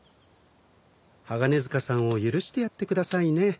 鋼鐵塚さんを許してやってくださいね。